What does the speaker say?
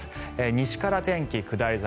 西から天気、下り坂